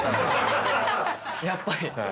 やっぱり。